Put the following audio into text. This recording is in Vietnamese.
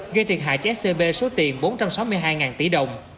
gây thiệt hại cho scb số tiền bốn trăm sáu mươi hai tỷ đồng